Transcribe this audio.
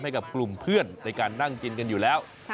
ให้กับกลุ่มเพื่อนในการนั่งกินกันอยู่แล้ว